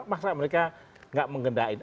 masa mereka tidak mengendahin